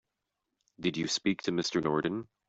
Did you speak to Mr. Norton?